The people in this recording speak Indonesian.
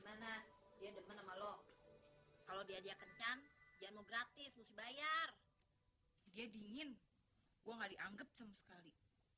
gimana ya demen sama lo kalau dia kencan jangan gratis bayar dia dingin gua nggak dianggap sekali